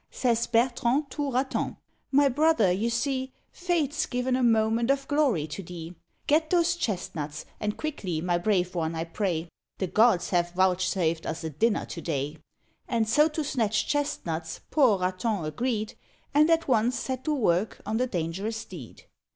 Says Bertrand to Raton, "My brother, you see, Fate's given a moment of glory to thee; Get those chesnuts, and quickly, my brave one, I pray, The gods have vouchsafed us a dinner to day." And so to snatch chesnuts poor Raton agreed, And at once set to work on the dangerous deed.